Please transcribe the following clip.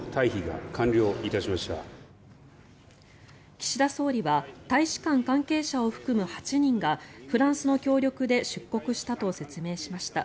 岸田総理は大使館関係者を含む８人がフランスの協力で出国したと説明しました。